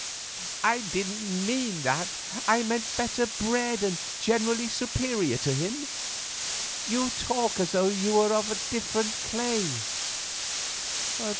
"I didn't mean that. I meant better bred and generally superior to him? You talk as though you were of a different clay."